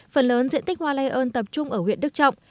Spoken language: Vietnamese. phần lớn diện tích hoa lây ơn tập trung ở huyện đức trọng